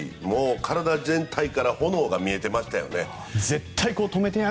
体全体から炎が見えてましたよね。